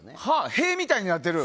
塀みたいになってる。